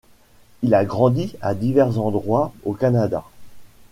Il a grandi à divers endroits au Canada.